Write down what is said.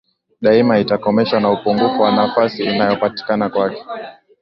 daima itakomeshwa na upungufu wa nafasi inayopatikana kwake